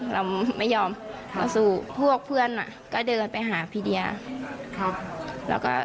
เราไม่ยอมต่อสู้พวกเพื่อนก็เดินไปหาพี่เดียครับแล้วก็